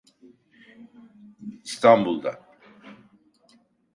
İstanbul'da.